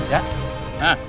jujur sama papa